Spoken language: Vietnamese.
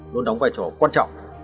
luôn đóng vai trò quan trọng